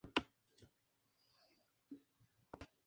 Esta iglesia fue el lugar donde fue bautizado Lope de Vega.